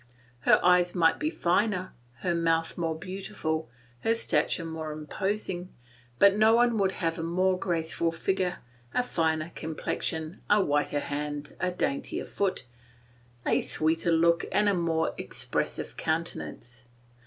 Her eyes might be finer, her mouth more beautiful, her stature more imposing; but no one could have a more graceful figure, a finer complexion, a whiter hand, a daintier foot, a sweeter look, and a more expressive countenance.